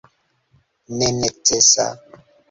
nenecesa